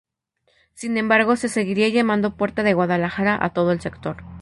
Sin embargo, se seguiría llamando "puerta de Guadalajara" a todo el sector.